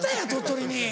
鳥取に。